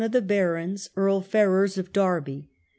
75 of the barons, Earl Ferrers of Derby.